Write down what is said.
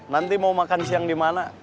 nanti mau makan siang di mana